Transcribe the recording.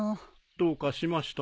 どうかしましたか？